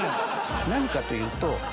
何かというと。